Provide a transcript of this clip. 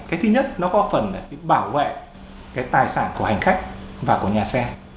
cái thứ nhất nó có phần để bảo vệ cái tài sản của hành khách và của nhà xe